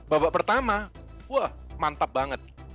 babak pertama mantap banget